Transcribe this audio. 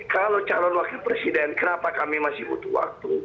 kalau calon wakil presiden kenapa kami masih butuh waktu